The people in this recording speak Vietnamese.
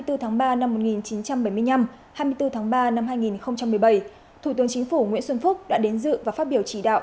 hai mươi bốn tháng ba năm một nghìn chín trăm bảy mươi năm hai mươi bốn tháng ba năm hai nghìn một mươi bảy thủ tướng chính phủ nguyễn xuân phúc đã đến dự và phát biểu chỉ đạo